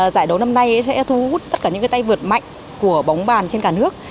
giải đấu năm nay sẽ thu hút tất cả những tay vượt mạnh của bóng bàn trên cả nước